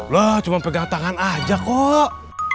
loh cuma pegang tangan aja kok